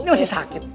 ini masih sakit